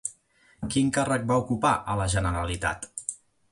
Quin càrrec va ocupar a la Generalitat?